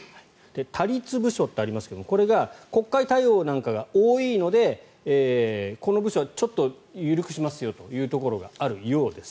他律部署ってありますがこれは国会対応なんかが多いのでこの部署はちょっと緩くしますよというところがあるようです。